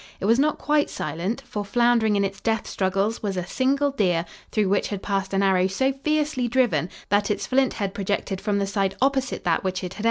It was not quite silent, for, floundering in its death struggles, was a single deer, through which had passed an arrow so fiercely driven that its flint head projected from the side opposite that which it had entered.